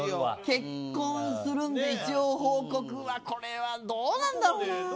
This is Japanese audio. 結婚するんで一応報告はこれはどうなんだろうな。